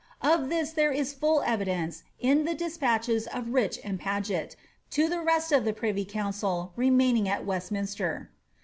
Of this there is full evidence in the despatches of Rich and Paget' to the rest of the privy council 'remaining at Westminster.